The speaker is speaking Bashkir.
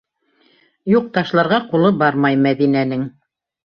Юҡ, ташларға ҡулы бармай Мәҙинәнең.